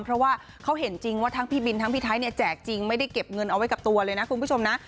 เพราะว่าเขาเห็นจริงว่าทั้งพี่บินทั้งพี่ไทยเนี่ยแจกจริงไม่ได้เก็บเงินเอาไว้กับตัวเลยนะคุณผู้ชมนะ